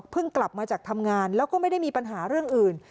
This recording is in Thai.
กลับมาจากทำงานแล้วก็ไม่ได้มีปัญหาเรื่องอื่น